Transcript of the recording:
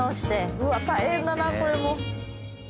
うわっ大変だなこれも。